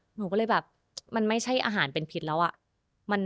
หนูก็เลยแบบมันไม่ใช่อาหารเป็นพิษแล้วอะ